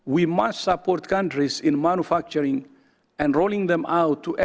kita harus mendukung negara negara dalam membuat dan mengembangkannya